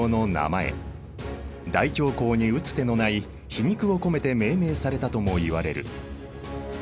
大恐慌に打つ手のない皮肉を込めて命名されたともいわれる。